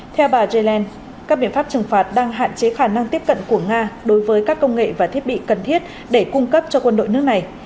theo bà zelen các biện pháp trừng phạt đang hạn chế khả năng tiếp cận của nga đối với các công nghệ và thiết bị cần thiết để cung cấp cho quân đội nước này